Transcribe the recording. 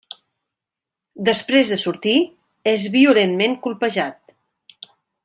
Després de sortir, és violentament colpejat.